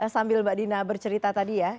sambil mbak dina bercerita tadi ya